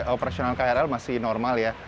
operasional krl masih normal ya